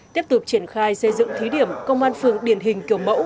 tiếp tục triển khai xây dựng thí điểm công an phường điển hình kiểu mẫu